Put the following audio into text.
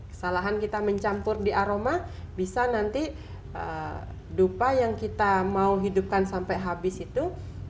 kesalahan kita mencampur di aroma bisa nanti dupa yang kita mau hidupkan sampai habis itu